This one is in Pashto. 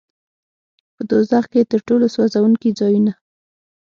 په دوزخ کې تر ټولو سوځوونکي ځایونه.